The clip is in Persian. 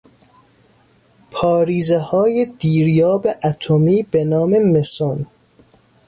پاریزه های دیر یاب اتمی بنام مسون